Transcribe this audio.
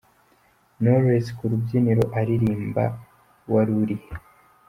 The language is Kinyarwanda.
Knowless ku rubyiniro aririmba Wari urihe.